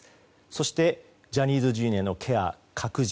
そしてジャニーズＪｒ．のケア拡充。